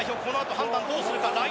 このあと判断どうするか？